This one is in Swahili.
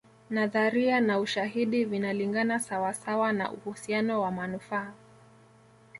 Nadharia na ushahidi vinalingana sawa sawa na uhusiano wa manufaa